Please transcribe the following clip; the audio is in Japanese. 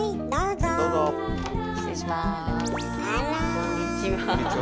こんにちは。